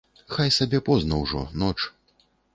Хай сабе позна ўжо, ноч.